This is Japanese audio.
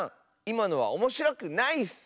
いまのはおもしろくないッス。